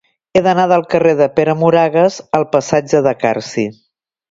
He d'anar del carrer de Pere Moragues al passatge de Carsi.